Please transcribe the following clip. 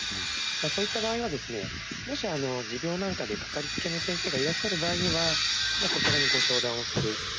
そういった場合は、もし持病なんかで掛かりつけの先生がいらっしゃる場合はそちらにご相談をする。